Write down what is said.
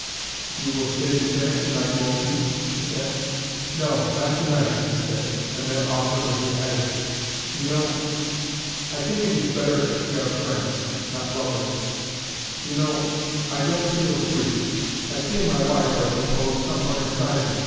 "You will stay to dinner tonight, won't you?" she said. "No not tonight," he said. And then, awkwardly, he added: "You know. I think it is better if we are friends not lovers. You know I don't feel free. I feel my wife, I suppose, somewhere inside me.